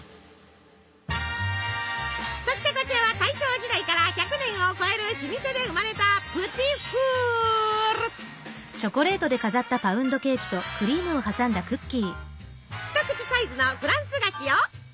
そしてこちらは大正時代から１００年を超える老舗で生まれた一口サイズのフランス菓子よ。